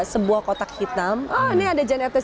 sebuah kotak hitam oh ini ada janetes